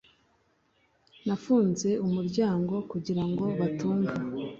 Nafunze umuryango kugirango batumva